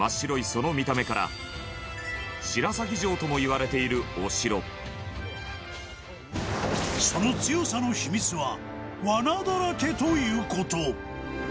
その見た目から白鷺城ともいわれているお城その強さの秘密は罠だらけという事